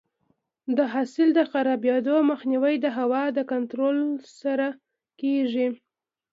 د حاصل د خرابېدو مخنیوی د هوا د کنټرول سره کیږي.